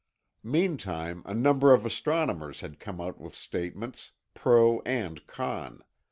Meantime, a number of astronomers had come out with statements, pro and con.